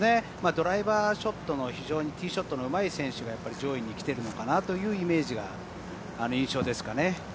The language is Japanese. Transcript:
ドライバーショットのティーショットのうまい選手が上位に来ているのかなというイメージ、印象ですかね。